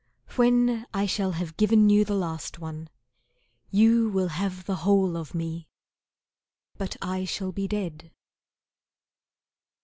When I shall have given you the last one, You will have the whole of me, But I shall be dead.